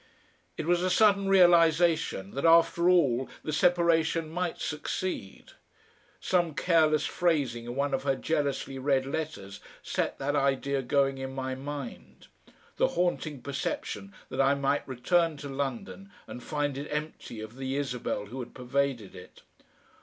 It was a sudden realisation that after all the separation might succeed; some careless phrasing in one of her jealously read letters set that idea going in my mind the haunting perception that I might return to London and find it empty of the Isabel who had pervaded it.